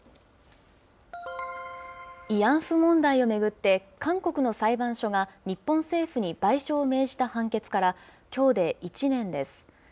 慰安婦問題を巡って韓国の裁判所が日本政府に賠償を命じた判決から、きょうで１年です。